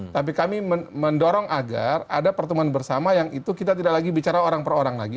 tapi kami mendorong agar ada pertemuan bersama yang itu kita tidak lagi bicara orang per orang lagi